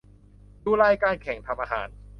ดูรายการแข่งทำอาหาร